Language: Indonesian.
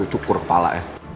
belum cukur kepala